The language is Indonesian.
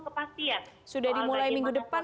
kepastian sudah dimulai minggu depan